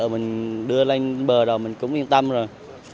mình đưa lên bờ rồi mình cũng yên tâm rồi